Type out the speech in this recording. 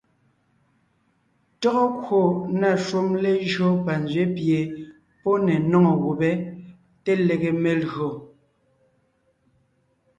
Tÿɔ́gɔ kwò na shúm lejÿó panzwě pie pɔ́ ne nóŋo gubé te lege melÿò.